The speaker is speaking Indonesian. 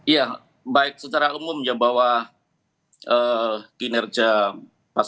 ya baik secara umum ya bahwa kinerja paslon